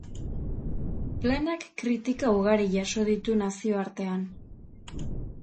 Planak kritika ugari jaso ditu nazioartean.